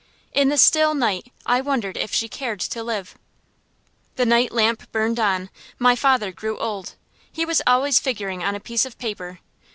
In the still night I wondered if she cared to live. The night lamp burned on. My father grew old. He was always figuring on a piece of paper.